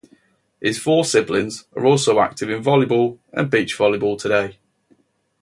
His four siblings are also active in volleyball and beach volleyball today.